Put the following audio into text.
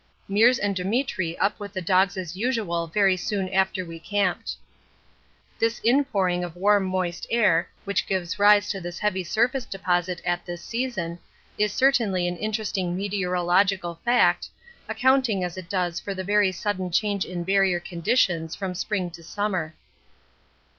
Meares and Demetri up with the dogs as usual very soon after we camped. This inpouring of warm moist air, which gives rise to this heavy surface deposit at this season, is certainly an interesting meteorological fact, accounting as it does for the very sudden change in Barrier conditions from spring to summer.